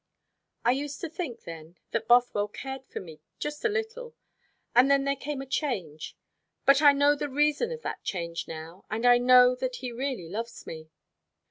"I used to think then that Bothwell cared for me just a little. And then there came a change. But I know the reason of that change now; and I know that he really loves me."